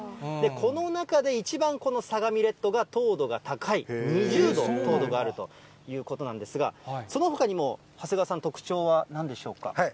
この中で一番、この相模レッドが糖度が高い、２０度糖度があるということなんですが、そのほかにも、長谷川さん、特徴はなんでしょうか。